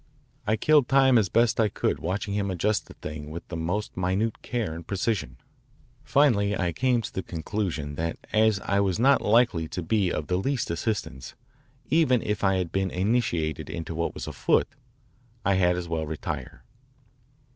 I killed time as best I could watching him adjust the thing with the most minute care and precision. Finally I came to the conclusion that as I was not likely to be of the least assistance, even if I had been initiated into what was afoot, I had as well retire.